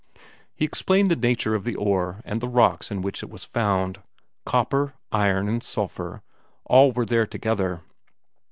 He explained the nature of the ore and the rocks in which it was found. Copper, iron, and sulphur, all were there together.